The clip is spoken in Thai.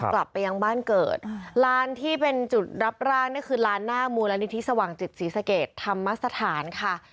กลับไปยังบ้านเกิดร้านที่เป็นจุดรับร่างนี่คือร้านหน้ามูลนิธิสว่างจิตศรีสะเกดธรรมสถานค่ะ